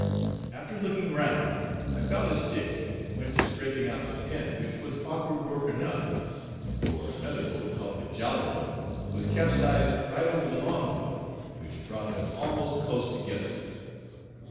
After looking round, I found a stick and went to scraping out the pen, which was awkward work enough, for another boat called the "jolly boat," was capsized right over the longboat, which brought them almost close together.